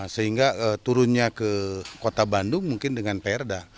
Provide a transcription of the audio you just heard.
sehingga turunnya ke kota bandung mungkin dengan perda